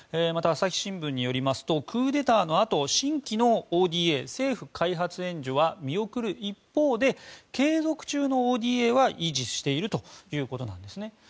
また、朝日新聞によりますとクーデターのあと新規のＯＤＡ・政府開発援助は見送る一方で継続中のＯＤＡは維持しているということです。